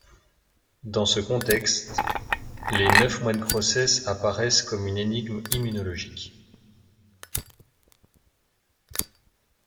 Dans ce contexte, les neuf mois de grossesse apparaissent comme une énigme immunologique.